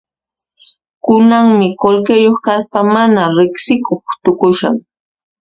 Kunanmi qullqiyuq kaspa mana riqsikuq tukushan.